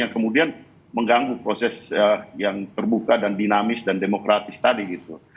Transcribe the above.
yang kemudian mengganggu proses yang terbuka dan dinamis dan demokratis tadi gitu